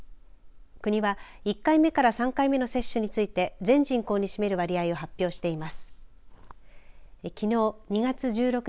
国は１回目から３回目の接種について全人口に占める割合を発表しています。